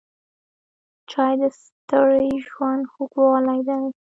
چای د ستړي ژوند خوږوالی دی.